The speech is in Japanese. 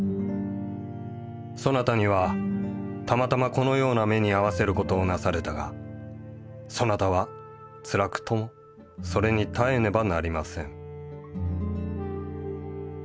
そなたには偶まこのような目に遭わせることをなされたがそなたは辛くともそれに耐えねばなりません」。